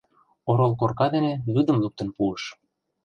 Орол корка дене вӱдым луктын пуыш.